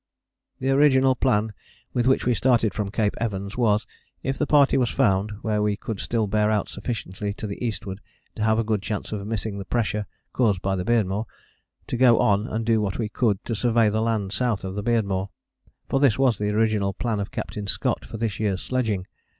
The original plan with which we started from Cape Evans was, if the Party was found where we could still bear out sufficiently to the eastward to have a good chance of missing the pressure caused by the Beardmore, to go on and do what we could to survey the land south of the Beardmore: for this was the original plan of Captain Scott for this year's sledging.